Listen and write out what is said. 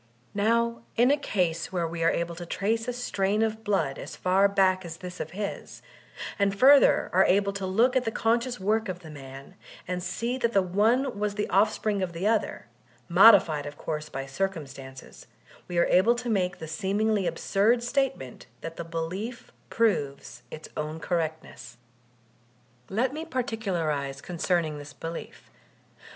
Now, in a case where we are able to trace a strain of blood as far back as thb of his, and further are able to look at the conscious work of the man, and see that the one was the offspring of the other, modified of course by drcumstances, we are able to make the seemingly ab surd statement that the belief proves its own correctness. Let me particularize concerning this belief.